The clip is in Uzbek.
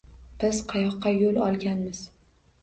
Biz qayoqqa yo‘l olganmiz?